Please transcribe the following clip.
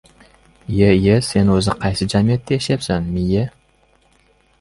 — Iya-iya, sen o‘zi qaysi jamiyatda yashayapsan, miya?